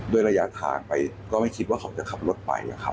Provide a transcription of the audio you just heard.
ระยะทางไปก็ไม่คิดว่าเขาจะขับรถไปนะครับ